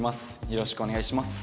よろしくお願いします。